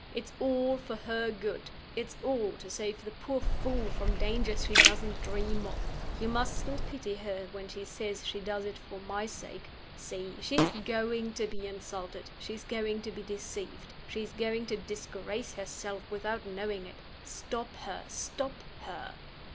It's all for her good; it's all to save the poor fool from dangers she doesn't dream of. You mustn't pity her when she says she does it for my sake. See! she is going to be insulted; she is going to be deceived; she is going to disgrace herself without knowing it. Stop her! stop her!"